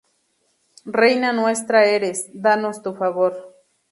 Reina nuestra eres, danos tu favor.